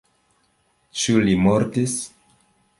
Ĉu li mortis?